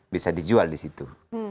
bisa dijual di situ